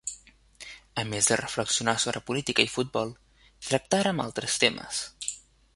A més de reflexionar sobre política i futbol, tractarem altres temes.